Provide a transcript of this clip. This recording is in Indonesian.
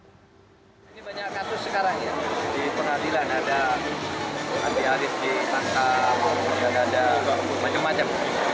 ini banyak kasus sekarang ya di pengadilan ada andi arief ditangkap ada macam macam